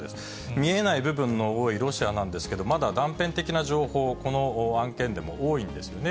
見えない部分の多いロシアなんですけど、まだ断片的な情報、この案件でも多いんですよね。